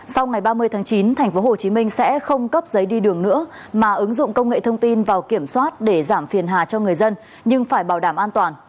sau ngày ba mươi tháng chín tp hcm sẽ không cấp giấy đi đường nữa mà ứng dụng công nghệ thông tin vào kiểm soát để giảm phiền hà cho người dân nhưng phải bảo đảm an toàn